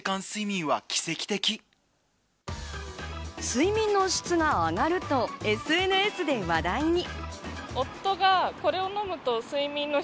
睡眠の質が上がるとＳＮＳで話題に。